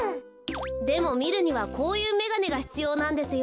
でもみるにはこういうめがねがひつようなんですよ。